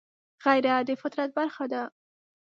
غیرت د فطرت برخه ده